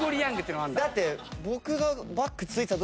だって。